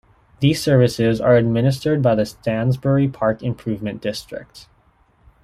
These services are administered by the Stansbury Park Improvement District.